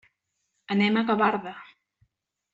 Anem a Gavarda.